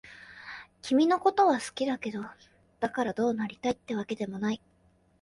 君のことは好きだけど、だからどうなりたいってわけでもない。